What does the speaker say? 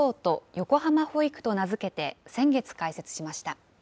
★よこはま保育と名付けて先月開設しました。